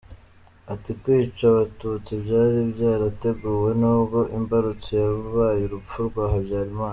Ati “Kwica Abatutsi byari byarateguwe n’ubwo imbarutso yabaye urupfu rwa Habyarimana.